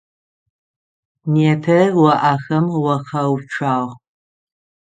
Непэ о ахэм уахэуцуагъ.